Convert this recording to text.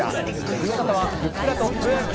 ズムサタはグップラとプロ野球